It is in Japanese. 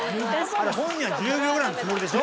本人は１０秒ぐらいのつもりでしょ？